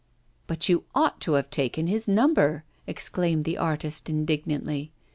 'But you ought to have taken his number,' exclaimed the artist indignantly.